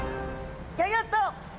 ギョギョッと！